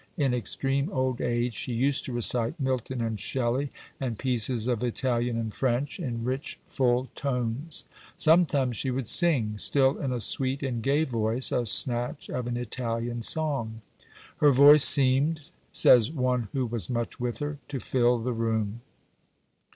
In extreme old age she used to recite Milton and Shelley and pieces of Italian and French in rich, full tones. Sometimes she would sing, still in a sweet and gay voice, a snatch of an Italian song. Her voice seemed, says one who was much with her, to fill the room.